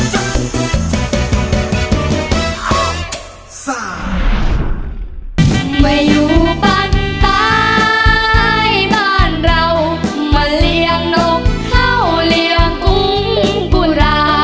มาเลี้ยงนกเข้าเลี้ยงกุ้งบูรา